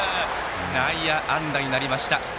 内野安打になりました。